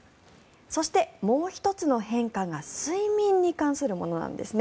そして、もう１つの変化が睡眠に関するものなんです。